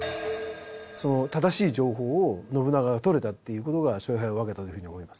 その正しい情報を信長が取れたっていうことが勝敗を分けたというふうに思います。